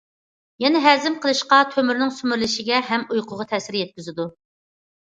يەنە ھەزىم قىلىشقا، تۆمۈرنىڭ سۈمۈرۈلۈشىگە ھەم ئۇيقۇغا تەسىر يەتكۈزىدۇ.